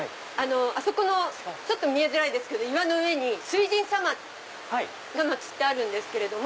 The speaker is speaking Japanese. あそこの見えづらいですけど岩の上に水神様が祭ってあるんですけれども。